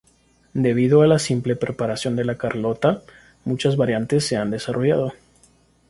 Debido a la simple preparación de la carlota, muchas variantes se han desarrollado.